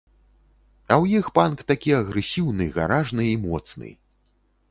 А ў іх панк такі агрэсіўны, гаражны і моцны.